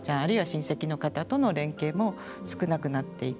親戚の方との連携も少なくなっていく。